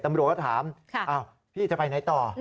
ตำรวจก็ถามพี่จะไปไหนต่อ